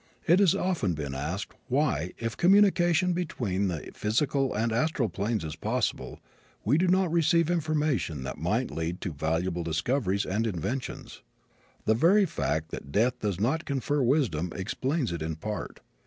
It has often been asked why, if communication between the physical and astral planes is possible, we do not receive information that might lead to valuable discoveries and inventions. The very fact that death does not confer wisdom explains it in part.